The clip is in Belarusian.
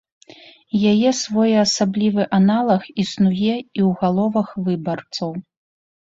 Яе своеасаблівы аналаг існуе і ў галовах выбарцаў.